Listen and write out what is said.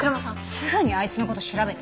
すぐにあいつの事調べて。